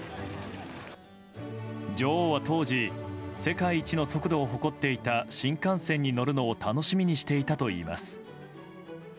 女王は当時世界一の速度を誇っていた新幹線に乗るのを楽しみにしていたといいます。